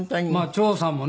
長さんもね